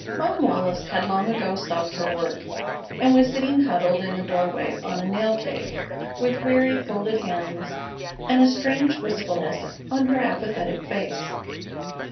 Mom Wallis had long ago stopped her work and was sitting huddled in the doorway on a nail keg with weary, folded hands and a strange wistfulness on her apathetic face.